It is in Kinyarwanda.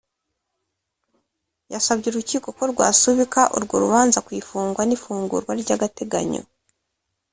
yasabye urukiko ko rwasubika urwo rubanza ku ifungwa n’ifungurwa ry’agateganyo